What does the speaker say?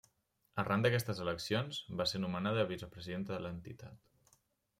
Arran d'aquestes eleccions, va ser nomenada vicepresidenta de l'entitat.